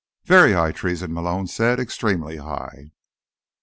"Very high treason," Malone said. "Extremely high."